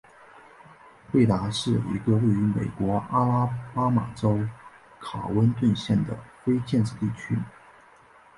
贝达是一个位于美国阿拉巴马州卡温顿县的非建制地区。